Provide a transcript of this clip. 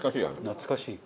懐かしい。